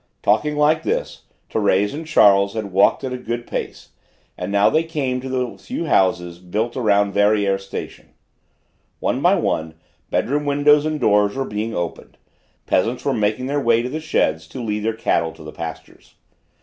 Talking like this Thérèse and Charles had walked at a good pace, and now they came to the few houses built around Verrières station. One by one, bedroom windows and doors were being opened; peasants were making their way to the sheds to lead their cattle to the pastures.